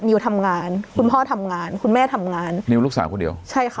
นิวทำงานคุณพ่อทำงานคุณแม่ทำงานนิวลูกสาวคนเดียวใช่ค่ะ